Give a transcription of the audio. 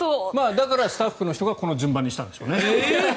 だからスタッフの人がこの順番にしたんでしょうね。